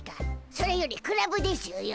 それよりクラブでしゅよ。